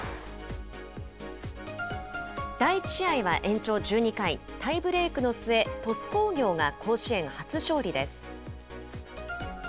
第１試合は延長１２回、タイブレークの末、鳥栖工業が甲子園初勝利です。